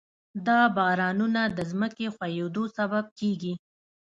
دا بارانونه د ځمکې ښویېدو سبب کېږي.